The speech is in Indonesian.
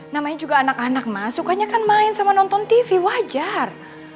namanya juga anak anak mas sukanya kan main sama nonton tv wajar